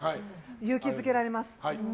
勇気づけられます。